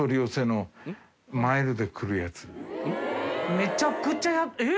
めちゃくちゃえっ！？